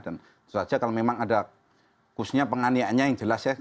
dan itu saja kalau memang ada khususnya penganihan yang jelas ya